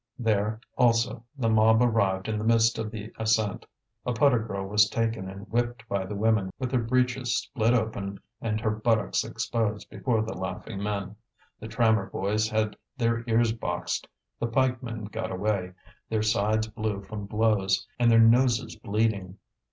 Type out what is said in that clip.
There, also, the mob arrived in the midst of the ascent. A putter girl was taken and whipped by the women with her breeches split open and her buttocks exposed before the laughing men. The trammer boys had their ears boxed, the pikemen got away, their sides blue from blows and their noses bleeding.